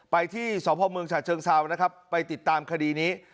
ไปที่สพเมืองฉะเชิงเซานะครับไปติดตามคดีนี้